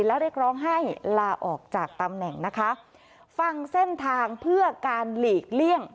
และเรียกร้องให้ลาออกจากตำแหน่งนะคะฟังเส้นทางเพื่อการหลีกเลี่ยง